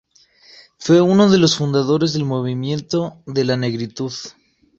Fue uno de los fundadores del movimiento de la negritud.